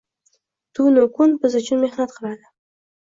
Tun-u kun biz uchun mehnat qiladi.